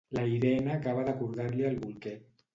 La Irene acaba de cordar-li el bolquer.